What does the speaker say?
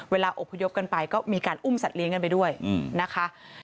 อบพยพกันไปก็มีการอุ้มสัตเลี้ยงกันไปด้วยนะคะ